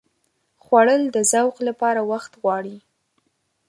خوړل د ذوق لپاره وخت غواړي